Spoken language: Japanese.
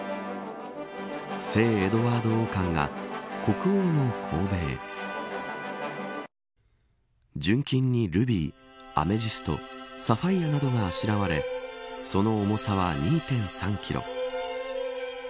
聖エドワード王冠が国王の頭へ純金にルビー、アメジストサファイアなどがあしらわれその重さは２．３キロ。